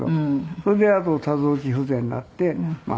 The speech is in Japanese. それで多臓器不全になってまあ。